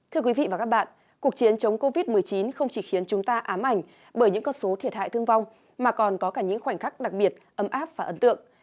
thưa quý vị và các bạn cuộc chiến chống covid một mươi chín không chỉ khiến chúng ta ám ảnh bởi những con số thiệt hại thương vong mà còn có cả những khoảnh khắc đặc biệt ấm áp và ấn tượng